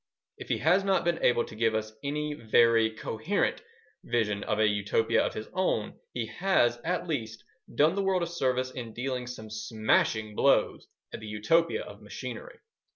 If he has not been able to give us any very, coherent vision of a Utopia of his own, he has, at least, done the world a service in dealing some smashing blows at the Utopia of machinery.